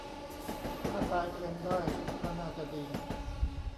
ถ้าตายเทียมได้ ก็น่าจะดี